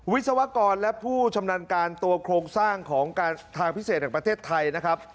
วิศวกรและผู้ชำนาญการตัวโครงสร้างของการทางพิเศษแห่งประเทศไทยนะครับ